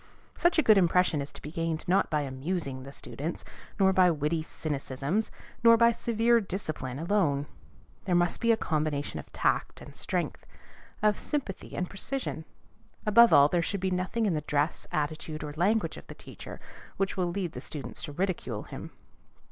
Such a good impression is to be gained not by amusing the students, nor by witty cynicisms, nor by severe discipline alone. There must be a combination of tact and strength, of sympathy and precision; above all there should be nothing in the dress, attitude, or language of the teacher which will lead the students to ridicule him.